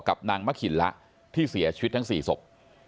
กับนางมะขิละที่เสียชีวิตทั้งสี่ศพ